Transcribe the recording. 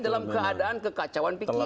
dalam keadaan kekacauan pikiran